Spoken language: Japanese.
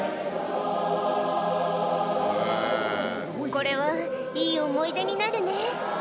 これはいい思い出になるね。